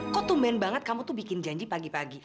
kok tuman banget kamu tuh bikin janji pagi pagi